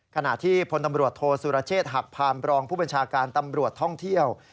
ขณะที่พลตำรวจโทษสุรเชษฐ์หักพานบรองผู้บัญชาการตำรวจท่องเที่ยว